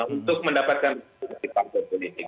untuk mendapatkan kandidasi baik